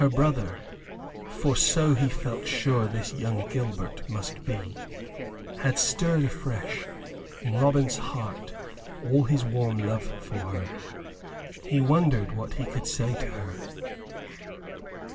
Her brother for so he felt sure this young Gilbert must be had stirred afresh in Robin's heart all his warm love for her. He wondered what he could say to her.